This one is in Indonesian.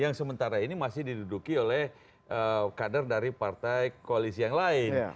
yang sementara ini masih diduduki oleh kader dari partai koalisi yang lain